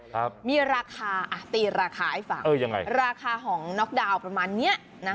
ครับมีราคาอ่ะตีราคาให้ฟังเออยังไงราคาของน็อกดาวน์ประมาณเนี้ยนะคะ